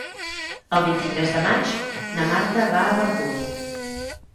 El vint-i-tres de maig na Marta va a Verdú.